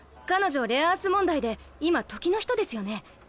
彼女レア・アース問題で今時の人ですよね。